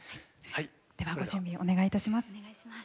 ではご準備お願いいたします。